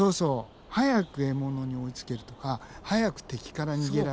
早く獲物に追いつけるとか早く敵から逃げられる。